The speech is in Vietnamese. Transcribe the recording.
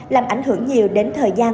làm ảnh hưởng nhiều đến thời gian